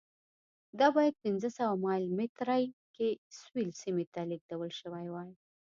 دا باید پنځه سوه مایل مترۍ کې سویل سیمې ته لېږدول شوې وای.